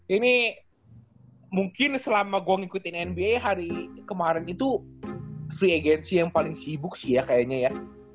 ini mungkin selama gue ngikutin nba hari kemarin itu free agency yang paling sibuk sih ya kayaknya ya